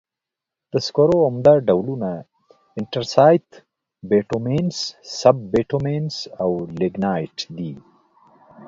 د سکرو عمده ډولونه انترسایت، بټومینس، سب بټومینس او لېګنایټ دي.